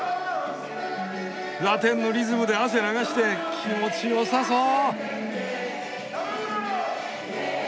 ラテンのリズムで汗流して気持ちよさそう！